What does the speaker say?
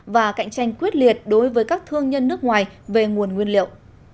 và cạnh tranh quyết liệt đối với các thương nhân nước ngoài về nguồn nguyên liệu